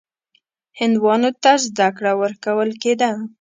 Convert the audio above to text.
هندوانو ته زده کړه ورکول کېده.